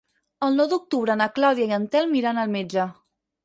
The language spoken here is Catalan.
El nou d'octubre na Clàudia i en Telm iran al metge.